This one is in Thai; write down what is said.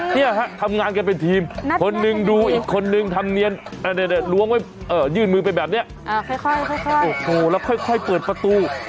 เนี่ยฮะทำงานกันเป็นทีมคนหนึ่งดูอีกคนนึงทำเนียนล้วงไว้ยื่นมือไปแบบนี้ค่อยโอ้โหแล้วค่อยเปิดประตู